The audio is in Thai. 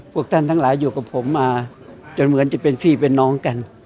พวกท่านทั้งหลายอยู่กับผมมาจนเหมือนจะเป็นพี่เป็นน้องกัน